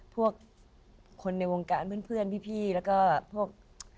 พวกคนในวงการเพื่อนพี่แล้วก็พวก